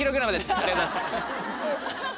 ありがとうございます。